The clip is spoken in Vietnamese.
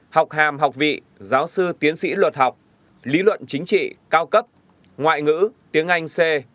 học hàm học vị giáo sư tiến sĩ luật học lý luận chính trị cao cấp ngoại ngữ tiếng anh c